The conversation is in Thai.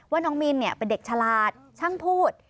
น้องมินเป็นเด็กฉลาดช่างพูด